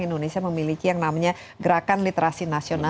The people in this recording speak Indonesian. itu dari penyediaan ya